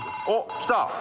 来た。